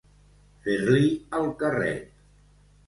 Fer-li el carret.